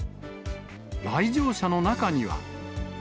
来場者の中には。